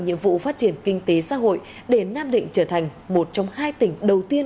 nhiệm vụ phát triển kinh tế xã hội để nam định trở thành một trong hai tỉnh đầu tiên